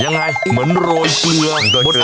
ยังไงเหมือนโรยเกลือง